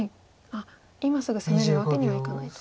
今すぐ攻めるわけにはいかないと。